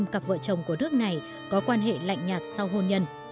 bốn mươi bốn sáu cặp vợ chồng của nước này có quan hệ lạnh nhạt sau hôn nhân